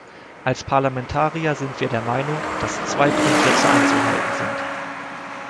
Als Parlamentarier sind wir der Meinung, dass zwei Grundsätze einzuhalten sind.